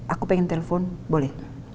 aku pengen telpon boleh